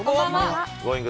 Ｇｏｉｎｇ！